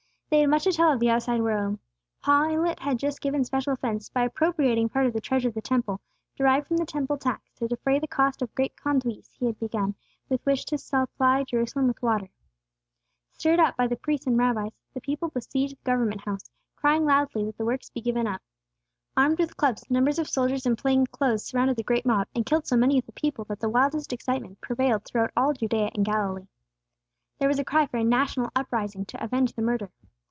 They had much to tell of the outside world. Pilate had just given special offence, by appropriating part of the treasure of the Temple, derived from the Temple tax, to defray the cost of great conduits he had begun, with which to supply Jerusalem with water. Stirred up by the priests and rabbis, the people besieged the government house, crying loudly that the works be given up. Armed with clubs, numbers of soldiers in plain clothes surrounded the great mob, and killed so many of the people that the wildest excitement prevailed throughout all Judea and Galilee. There was a cry for a national uprising to avenge the murder.